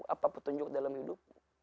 apa petunjuk dalam hidupmu